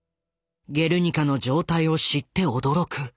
「ゲルニカ」の状態を知って驚く。